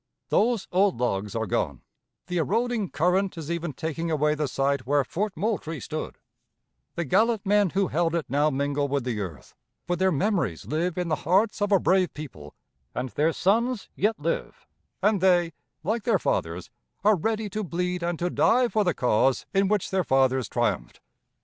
Those old logs are gone; the eroding current is even taking away the site where Fort Moultrie stood; the gallant men who held it now mingle with the earth; but their memories live in the hearts of a brave people, and their sons yet live, and they, like their fathers, are ready to bleed and to die for the cause in which their fathers triumphed.